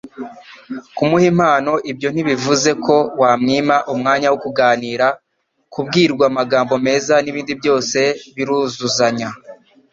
kumuha impano ibyo ntibivuuze ko wamwima umwanya wo kuganira , kubwirwa amagambo meza n'ibindi byose biruzuzanya.